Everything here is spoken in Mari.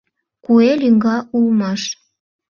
Куэ лӱҥга улмаш.